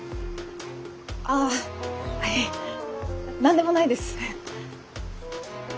あいえ何でもないです。